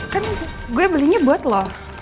kan gue belinya buat loh